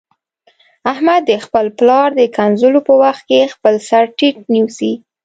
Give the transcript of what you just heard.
احمد د خپل پلار د کنځلو په وخت کې خپل سرټیټ نیسي.